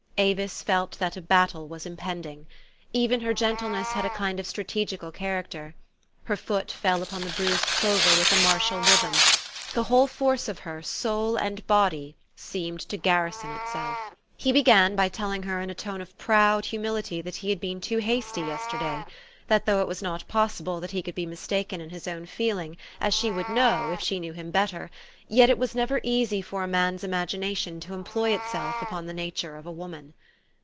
Avis felt that a battle was impending. Even her gentleness had a kind of strategical character. Her foot fell upon the bruised clover with a martial rhythm. The whole force of her, soul and body seemed to garrison itself. 120 THE STORY OF AVIS. He began by telling her in a tone of proud humi lity that he had been too hasty yesterday; thai though it was not possible that he could be mis taken in his own feeling, as she would know, if she knew him better, yet that it was never easy for a man's imagination to employ itself upon the nature of a woman.